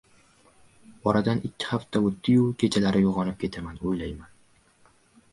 Oradan ikki hafta o‘tdi-yu... Kechalari uyg‘onib ketaman, o‘ylayman.